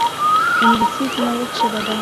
انګلیسي د نوښت ژبه ده